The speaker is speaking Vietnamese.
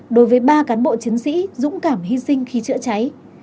đối với ba cán bộ chiến sĩ dũng cảm hy sinh khi chữa cháy